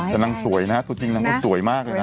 นางสวยนะหนูจริงนางสวยมากเลยนะ